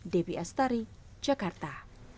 debbie astari jakarta